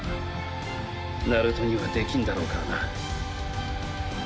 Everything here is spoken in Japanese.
ナルトにはできんだろうからな。